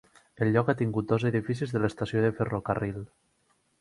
El lloc ha tingut dos edificis de l'estació de ferrocarril.